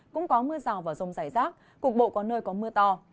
cũng có mưa rào và rông rải rác cục bộ có nơi có mưa to